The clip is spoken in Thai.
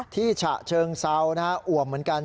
ที่ฉะเชิงเซานะครับอว่ำเหมือนกัน